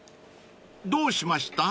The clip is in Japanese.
［どうしました？］